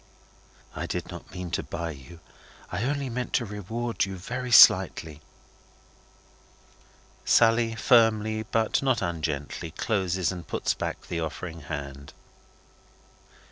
"I do not mean to buy you; I mean only to reward you very slightly." Sally firmly, but not ungently, closes and puts back the offering hand.